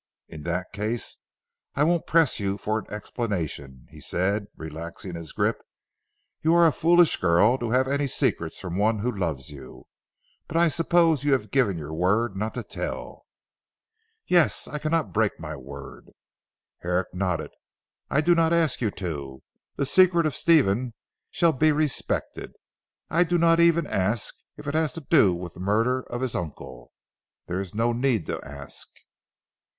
"In that case I won't press you for an explanation," he said relaxing his grip, "you are a foolish girl to have any secrets from one who loves you. But I suppose you have given your word not to tell?" "Yes. I cannot break my word." Herrick nodded. "I do not ask you to. The secret of Stephen shall be respected. I do not even ask you if it has to do with the murder of his uncle. There is no need to ask."